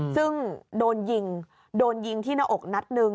ซึ่งโดนยิงโดนยิงที่หน้าอกนัดหนึ่ง